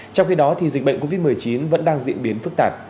trong khi đó dịch bệnh covid một mươi chín vẫn đang diễn biến phức tạp